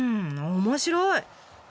面白い！